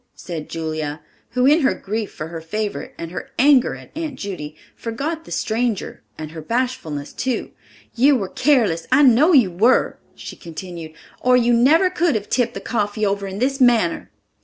said Julia, who in her grief for her favorite, and her anger at Aunt Judy, forgot the stranger, and her bashfulness, too. "You were careless, I know you were," she continued, "or you never could have tipped the coffee over in this manner."